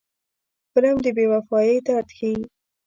فلم د بې وفایۍ درد ښيي